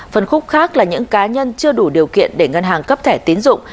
phần khúc khác là những cá nhân chưa đủ điều kiện để ngân hàng cấp thẻ tiến dụng